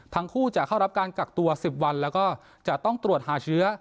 ทั้งคู่จะเข้ารับการกักตัว๑๐วันแล้วก็จะต้องตรวจหาเชื้อ